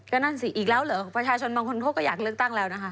ก็นั่นสิอีกแล้วเหรอประชาชนบางคนเขาก็อยากเลือกตั้งแล้วนะคะ